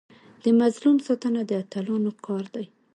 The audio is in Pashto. د مظلوم ساتنه د اتلانو کار دی.